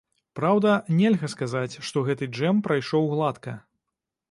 Праўда, нельга сказаць, што гэты джэм прайшоў гладка.